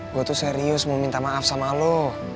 gue tuh serius mau minta maaf sama lo